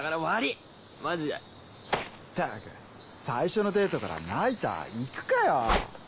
ったく最初のデートからナイター行くかよ。